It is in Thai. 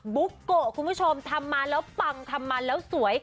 ุ๊กโกะคุณผู้ชมทำมาแล้วปังทำมาแล้วสวย